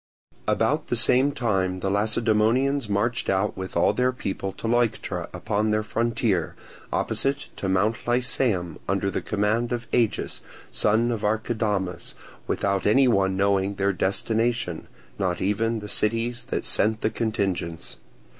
About the same time the Lacedaemonians marched out with all their people to Leuctra upon their frontier, opposite to Mount Lycaeum, under the command of Agis, son of Archidamus, without any one knowing their destination, not even the cities that sent the contingents.